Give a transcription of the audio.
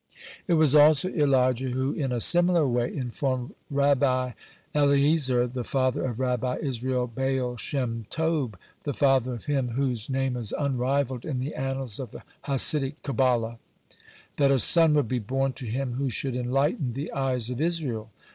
(103) It was also Elijah who in a similar way informed Rabbit Eliezer, the father of Rabbi Israel Baal Shem Tob, the father of him whose name is unrivalled in the annals of the Hasidic Kabbalah that a son would be born to him who should enlighten the eyes of Israel.